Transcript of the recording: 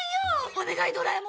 お願いドラえもん！